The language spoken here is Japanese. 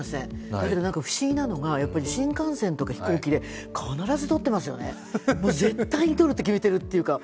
だけど不思議なのは、新幹線とか飛行機で必ず撮ってますよね、絶対に撮るって決めてるっていうか。